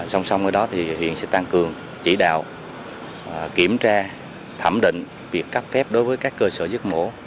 xong xong ở đó thì huyện sẽ tăng cường chỉ đạo kiểm tra thẩm định việc cấp phép đối với các cơ sở giết mổ